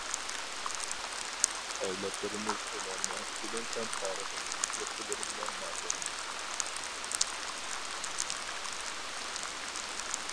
ئەۋلادلىرىمىز ئۇلارنىڭ ئىلىم-پەن تارىخىدىكى تۆھپىلىرى بىلەن ناتونۇش.